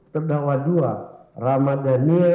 terdakwa dua ramadhania